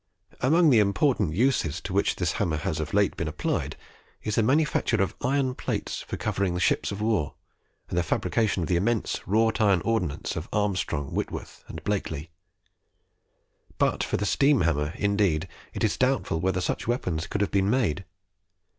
Among the important uses to which this hammer has of late years been applied, is the manufacture of iron plates for covering our ships of war, and the fabrication of the immense wrought iron ordnance of Armstrong, Whitworth, and Blakely. But for the steam hammer, indeed, it is doubtful whether such weapons could have been made.